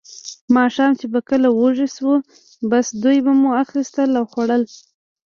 ماښام چې به کله وږي شوو، بس دوی به مو اخیستل او خوړل.